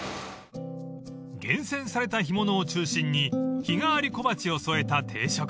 ［厳選された干物を中心に日替わり小鉢を添えた定食］